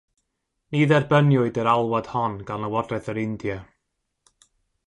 Ni dderbyniwyd yr alwad hon gan lywodraeth yr India.